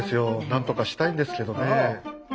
なんとかしたいんですけどねえ。